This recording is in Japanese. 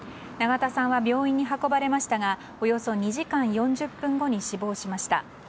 永田さんは病院に運ばれましたがおよそ２時間４０分後に死亡しました。